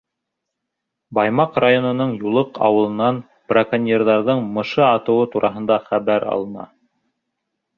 Баймаҡ районының Юлыҡ ауылынан браконьерҙарҙың мышы атыуы тураһында хәбәр алына.